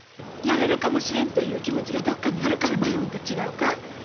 やれるかもしれんという気持ちがどこかにあるから迷うんと違うか？